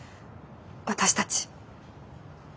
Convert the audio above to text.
私たち。